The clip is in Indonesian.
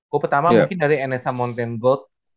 gua pertama mungkin dari nsa mountain gold